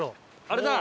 あれだ！